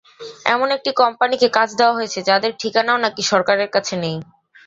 এমন একটি কোম্পানিকে কাজ দেওয়া হয়েছে, যাদের ঠিকানাও নাকি সরকারের কাছে নেই।